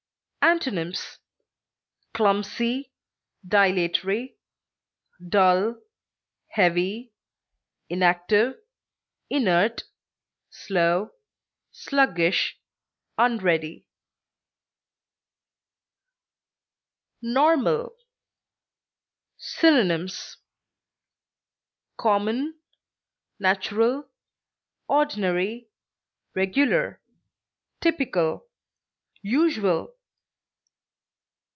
Antonyms: clumsy, dull, heavy, inactive, inert, slow, sluggish, unready. dilatory, NORMAL. Synonyms: common, natural, ordinary, regular, typical, usual.